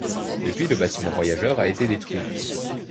Depuis le bâtiment voyageurs a été détruit.